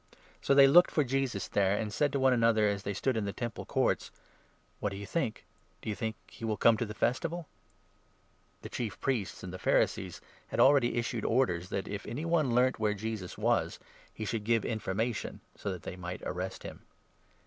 So they looked^ for Jesus there, and said 56 to one another, as they stood in the Temple Courts : "What do you think? Do you think he will come to the Festival ?" The Chief Priests and the Pharisees had already issued orders 57 that, if any one learnt where Jesus was, he should give informa tion, so that they might arrest him.